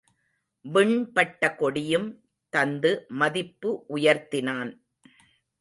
விண்பட்ட கொடியும் தந்து மதிப்பு உயர்த்தினான்.